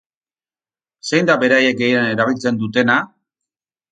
Zein da beraiek gehien erabiltzen dutena?